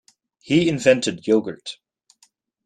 He invented yogurt.